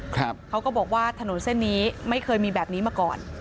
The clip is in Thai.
เขาก็บอกว่าถนนเส้นนี้ไม่เคยมีแบบนี้มาก่อน